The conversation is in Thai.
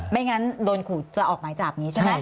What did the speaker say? ไม่งั้นโดนขุดจะออกมาจากนี้ใช่ไหม